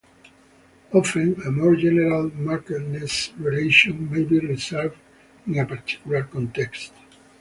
Often a more general markedness relation may be reversed in a particular context.